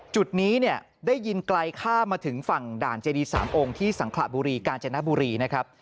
จุดนี้เนี่ยได้ยินไกลข้ามมาถึงฝั่งด่านเจดี๓องค์ที่สังขระบุรีกาญจนบุรีนะครับ